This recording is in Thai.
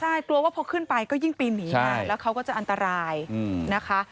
ใช่กลัวว่าพอขึ้นไปก็ยิ่งปีนหนีไงแล้วเขาก็จะอันตรายนะคะ